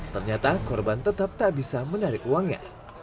ternyata korban tetap tak bisa menarik uangnya